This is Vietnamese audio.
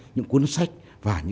những cuốn sách